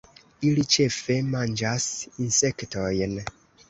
Ili ĉefe manĝas insektojn.